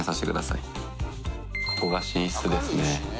ここが寝室ですね。